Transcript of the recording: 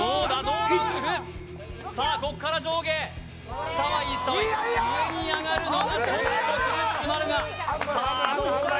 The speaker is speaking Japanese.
ウルフさあこっから上下下はいい下はいい上に上がるのがちょっと苦しくなるがさあどうだ？